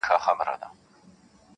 څو ښکلیو او رنګینو ونو ته نظر واوښت -